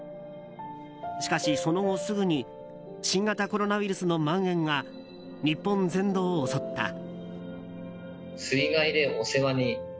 しかし、その後すぐに新型コロナウイルスのまん延が日本全土を襲った。